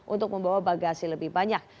untuk membawa bagian dari pesawat